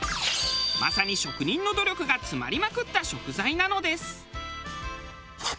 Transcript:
まさに職人の努力が詰まりまくった食材なのです。